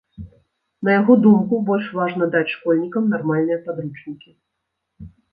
На яго думку, больш важна даць школьнікам нармальныя падручнікі.